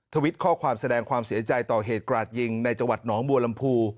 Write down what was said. วิทข้อความแสดงความเสียใจต่อเหตุกราดยิงในจังหวัดหนองบัวลำพู